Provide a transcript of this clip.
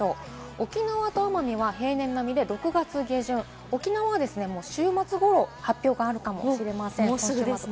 沖縄と奄美は平年並みで６月下旬、沖縄はもう週末頃、発表があるかもしれません。